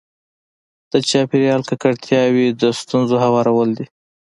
د چاپېریال ککړتیاوې د ستونزو هوارول دي.